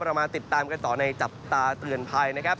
มาติดตามกันต่อในจับตาเตือนภัยนะครับ